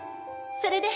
それで。